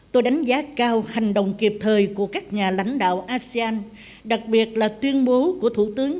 tôi đánh giá cao hành động kịp thời của các nhà lãnh đạo asean đặc biệt là tuyên bố của thủ tướng